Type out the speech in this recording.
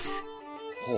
ほう。